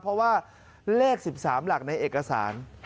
เพราะว่าเลข๑๓หลักในเอกสาร